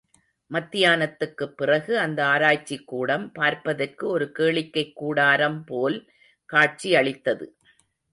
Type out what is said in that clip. மத்தியானத்துக்குப் பிறகு அந்த ஆராய்ச்சிக்கூடம் பார்ப்பதற்கு ஒரு கேளிக்கைக்கூடாரம் போல் காட்சியளித்தது.